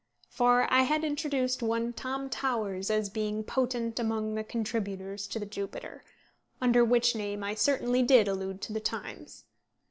For I had introduced one Tom Towers as being potent among the contributors to the Jupiter, under which name I certainly did allude to the Times.